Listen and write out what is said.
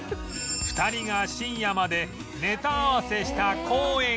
２人が深夜までネタ合わせした公園が